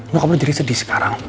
nyokap lo jadi sedih sekarang